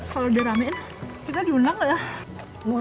kalau diramein kita diundang gak ya